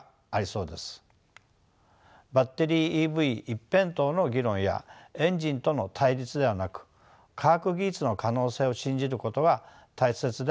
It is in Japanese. バッテリーＥＶ一辺倒の議論やエンジンとの対立ではなく科学技術の可能性を信じることが大切ではないでしょうか。